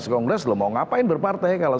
keras kongres lo mau ngapain berpartai kalau